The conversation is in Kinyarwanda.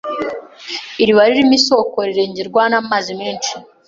Iriba ririmo isoko irengerwa namazi menshi